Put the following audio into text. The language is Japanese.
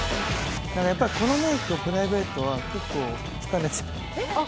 やっぱりこのメイクをプライベートは結構疲れちゃうあっ